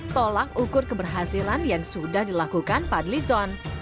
tolak ukur keberhasilan yang sudah dilakukan fadlizon